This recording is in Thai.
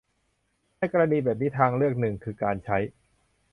ในกรณีแบบนี้ทางเลือกหนึ่งคือการใช้